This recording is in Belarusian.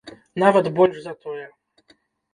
Нават больш за тое.